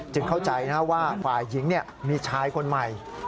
จึงเข้าใจนะว่าฝ่ายหญิงนี้มีชายคนใหม่